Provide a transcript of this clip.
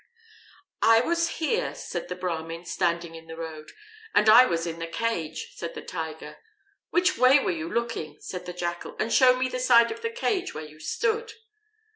"I was here," said the Brahmin, standing in the road. "And I was in the cage," said the Tiger. "Which way were you looking?" said the Jackal; "and show me the side of the cage where you stood."